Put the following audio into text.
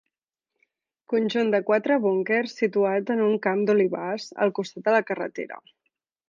Conjunt de quatre búnquers situats en un camp d'olivars, al costat de la carretera.